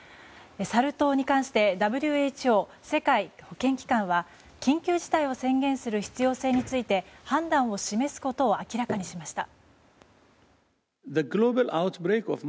サル痘に関してＷＨＯ・世界保健機関は緊急事態を宣言する必要性について判断を示すことを明らかにしました。